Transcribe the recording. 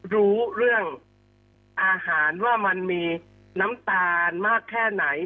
รู้เรื่องอาหารว่ามันมีน้ำตาลมากแค่ไหน